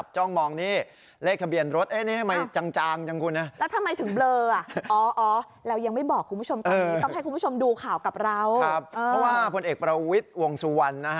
เพราะว่าผลเอกฝราวิทย์วงสุวรรณ